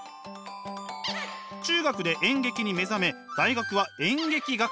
中学で演劇に目覚め大学は演劇学科へ。